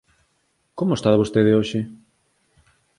Como está vostede hoxe?